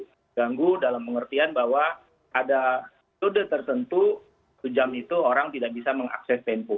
terganggu dalam pengertian bahwa ada sudah tersentuh sejam itu orang tidak bisa mengakses tempo